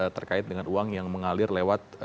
terkait dengan uang yang mengalir lewat